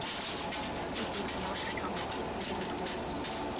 闭集同样擅长描述空间的拓扑。